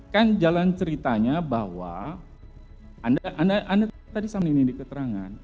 kan jalan ceritanya bahwa anda tadi sama nini di keterangan